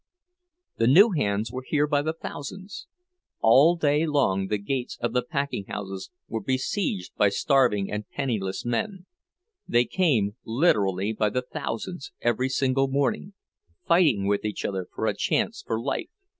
The new hands were here by the thousands. All day long the gates of the packing houses were besieged by starving and penniless men; they came, literally, by the thousands every single morning, fighting with each other for a chance for life.